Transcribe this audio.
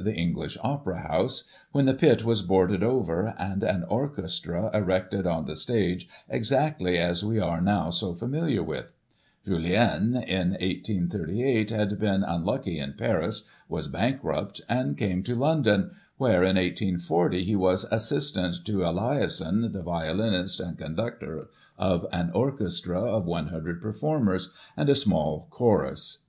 The English Opera House, when the pit was boarded over, and an orchestra erected on the stage exactly as we are now so familiar with. Jullien, in 1838, had been unlucky in Paris, was bankrupt, and came to London, where, in 1840, he was assistant to Eliason, the violinist and conductor of an orchestra of 100 performers, and a small chorus.